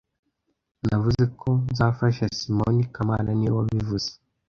Navuze ko nzafasha Simoni kamana niwe wabivuze